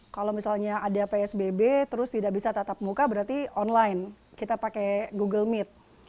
kalau misalnya ada psbb terus tidak bisa tatap muka berarti online kita pakai google meet